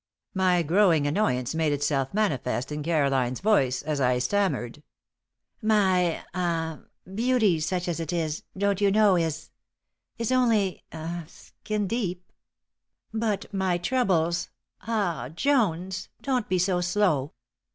My growing annoyance made itself manifest in Caroline's voice, as I stammered: "My ah beauty, such as it is, don't you know, is only ah skin deep. But my troubles ah Jones! Don't be so slow!